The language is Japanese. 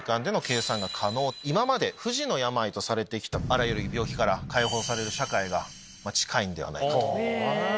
今まで不治の病とされてきたあらゆる病気から解放される社会が近いんではないかと。